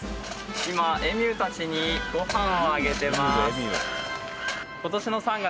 今エミュー達にごはんをあげてます